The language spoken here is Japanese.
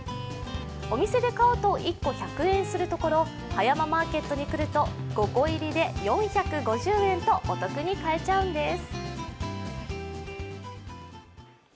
お店で買うと１個１００円するところ葉山マーケットに来ると５個入りで４５０円とお得に買えちゃうんです。